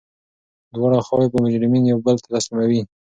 دواړه خواوي به مجرمین یو بل ته تسلیموي.